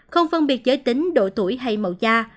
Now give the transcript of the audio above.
không phân biệt giới tính độ tuổi hay màu da